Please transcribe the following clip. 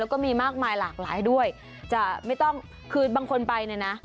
แล้วก็มีมากมายหลากหลายด้วยจะไม่ต้องคือบางคนไปเนี่ยนะ